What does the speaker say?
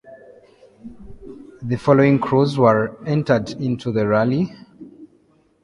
The following crews were entered into the rally.